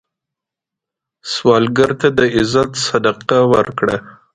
سوالګر ته د عزت صدقه ورکړه